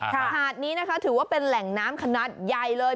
หาดนี้นะคะถือว่าเป็นแหล่งน้ำขนาดใหญ่เลย